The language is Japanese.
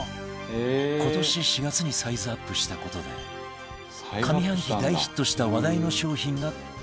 今年４月にサイズアップした事で上半期大ヒットした話題の商品がこちら